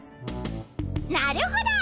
なるほど。